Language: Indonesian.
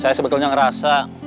saya sebetulnya ngerasa